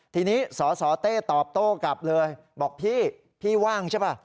ทีนี้สสเต้ตอบโต้กลับเลยบอกพี่พี่ว่างใช่ป่ะ